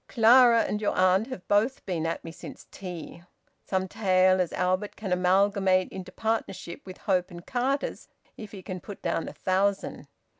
"Clara and your aunt have both been at me since tea. Some tale as Albert can amalgamate into partnership with Hope and Carters if he can put down a thousand.